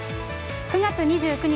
９月２９日